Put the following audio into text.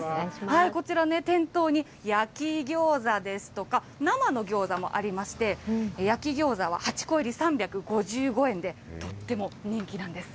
こちら、店頭に焼きギョーザですとか、生のギョーザもありまして、焼きギョーザは８個入り３５５円で、とっても人気なんです。